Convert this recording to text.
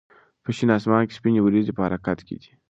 په شین اسمان کې سپینې وريځې په حرکت دي.